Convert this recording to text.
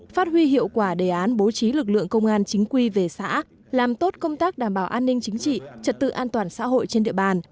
phát huy hiệu quả đề án bố trí lực lượng công an chính quy về xã làm tốt công tác đảm bảo an ninh chính trị trật tự an toàn xã hội trên địa bàn